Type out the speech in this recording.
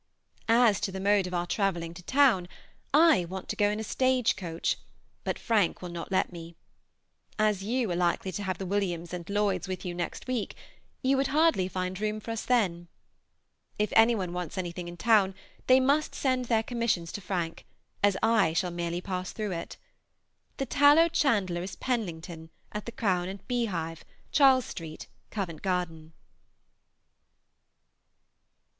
As to the mode of our travelling to town, I want to go in a stage coach, but Frank will not let me. As you are likely to have the Williams and Lloyds with you next week, you would hardly find room for us then. If any one wants anything in town, they must send their commissions to Frank, as I shall merely pass through it. The tallow chandler is Penlington, at the Crown and Beehive, Charles Street, Covent Garden.